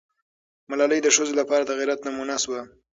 ملالۍ د ښځو لپاره د غیرت نمونه سوه.